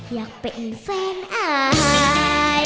อยากเป็นแฟนอาย